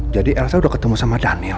jadi elsa udah ketemu sama daniel